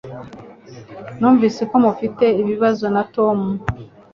Numvise ko ufite ibibazo na Tom.